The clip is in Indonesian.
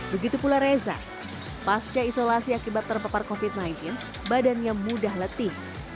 begitu pula reza pasca isolasi akibat terpapar covid sembilan belas badannya mudah letih